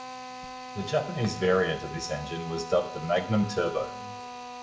The Japanese variant of this engine was dubbed the "Magnum Turbo".